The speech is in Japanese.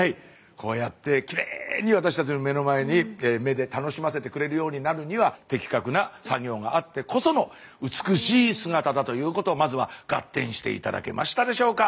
こうやってきれいに私たちの目の前に目で楽しませてくれるようになるには的確な作業があってこその美しい姿だということまずはガッテンして頂けましたでしょうか？